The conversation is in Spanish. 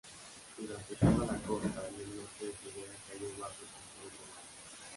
Durante toda la costa y el norte de Judea cayó bajo el control romano.